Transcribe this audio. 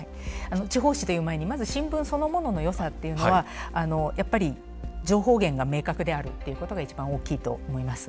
地方紙という前にまず新聞そのもののよさっていうのはやっぱり情報源が明確であるっていうことが一番大きいと思います。